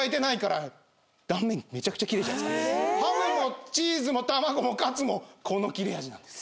ハムもチーズも卵もカツもこの切れ味なんです。